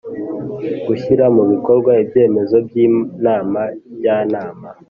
Gushyira mu bikorwa ibyemezo by Inama jyanama